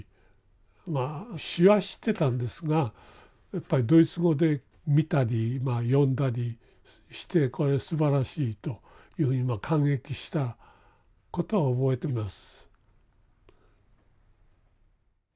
まあ詩は知ってたんですがやっぱりドイツ語で見たりまあ読んだりして「これすばらしい」というふうに感激したことは覚えてます。